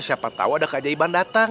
siapa tahu ada keajaiban data